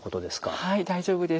はい大丈夫です。